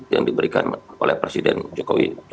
yang diberikan oleh presiden jokowi